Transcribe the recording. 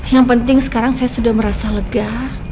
yang penting sekarang saya sudah merasa lega